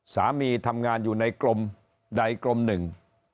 สามีทำงานอยู่ในกรมใดกรมหนึ่ง